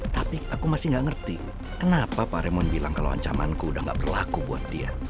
tapi aku masih gak ngerti kenapa pak remond bilang kalau ancamanku udah gak berlaku buat dia